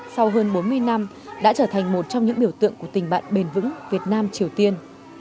sau hơn bốn mươi năm đã trở thành một trong những biểu tượng của tình bạn bền vững việt nam triều tiên